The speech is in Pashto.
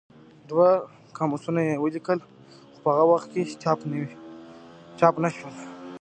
دوه قاموسونه یې ولیکل خو په هغه وخت کې چاپ نه شول.